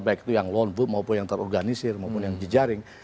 baik itu yang lone wood maupun yang terorganisir maupun yang jejaring